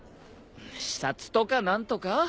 視察とか何とか？